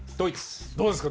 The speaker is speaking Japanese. どうですか？